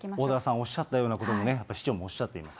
おっしゃったようなことも市長もおっしゃっています。